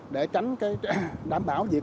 để tránh đảm bảo việc